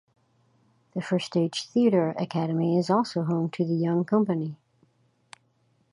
The First Stage Theater Academy is also home to the Young Company.